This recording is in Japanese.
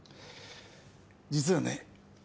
実はね